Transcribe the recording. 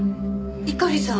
猪狩さん